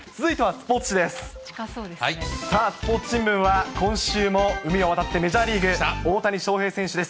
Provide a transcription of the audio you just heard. スポーツ新聞は、今週も海を渡って、メジャーリーグ、大谷翔平選手です。